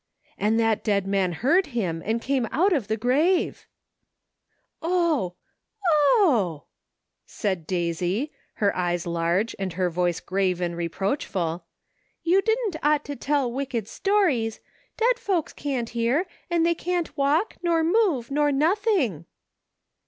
And that dead man heard him and came out of the grave !"" Oh ! oh !" said Daisy, her eyes large and her voice grave and reproachful, "you didn't ought to tell wicked stories. Dead folks can't hear, and they can't walk, nor move, nor nothing